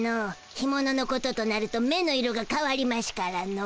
ひもののこととなると目の色がかわりましゅからの。